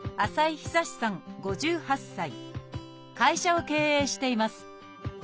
会社を経営しています。